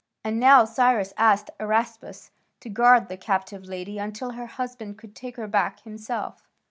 And now Cyrus asked Araspas to guard the captive lady until her husband could take her back himself.